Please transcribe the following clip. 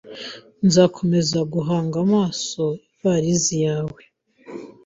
Nzakomeza guhanga amaso ivarisi yawe.